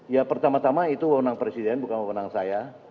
ya pertama tama itu wawonan presiden bukan wawonan saya